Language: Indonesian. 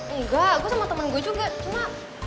enggak gue sama temen gue juga cuma